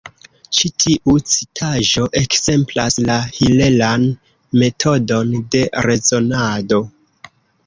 Ĉi tiu citaĵo ekzemplas la hilelan metodon de rezonado.